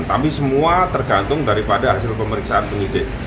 kami semua tergantung daripada hasil pemeriksaan penyidik